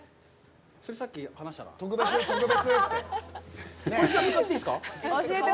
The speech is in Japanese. それ、さっき話したかな？